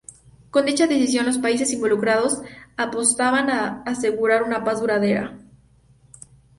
Con dicha decisión los países involucrados apostaban a asegurar una paz duradera.